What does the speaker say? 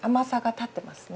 立ってます。